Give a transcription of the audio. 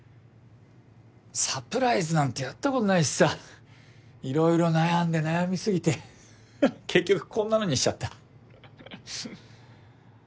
サプライズなんてやったことないしさいろいろ悩んで悩みすぎて結局こんなのにしちゃった。